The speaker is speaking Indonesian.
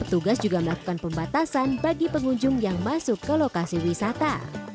petugas bisa mematuhi lokasi yang terbatasan bagi pengunjung yang masuk ke lokasi wisata